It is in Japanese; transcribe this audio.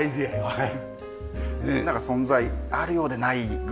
はい。